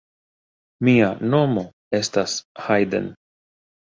Mia nomo estas Hajden.